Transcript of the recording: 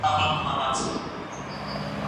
امنیتي ځواکونه باید قانون پلي کړي.